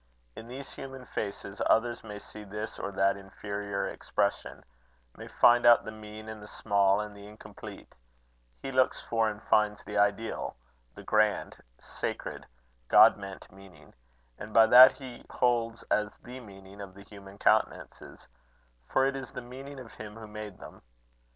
In these human faces, others may see this or that inferior expression, may find out the mean and the small and the incomplete: he looks for and finds the ideal; the grand, sacred, God meant meaning; and by that he holds as the meaning of the human countenances, for it is the meaning of him who made them.